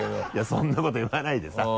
そんなこと言わないでさ。